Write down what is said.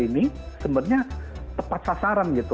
ini sebenarnya tepat sasaran gitu